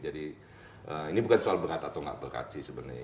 jadi ini bukan soal berat atau nggak berat sih sebenarnya